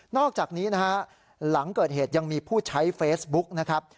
อกจากนี้นะฮะหลังเกิดเหตุยังมีผู้ใช้เฟซบุ๊กนะครับ